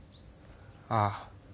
ああ。